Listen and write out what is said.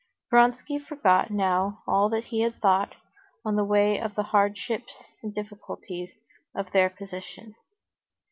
Vronsky forgot now all that he had thought on the way of the hardships and difficulties of their position.